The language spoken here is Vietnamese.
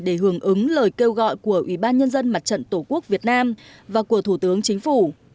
để hưởng ứng lời kêu gọi của ủy ban nhân dân mặt trận tổ quốc việt nam và của thủ tướng chính phủ